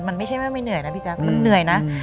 มันไม่ใช่ว่าไม่เหนื่อยนะพี่แจ๊คมันเหนื่อยนะ